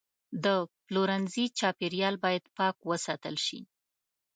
د پلورنځي چاپیریال باید پاک وساتل شي.